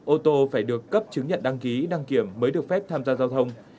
ô tô phải được cấp chứng nhận đăng ký đăng kiểm mới được phép tham gia giao thông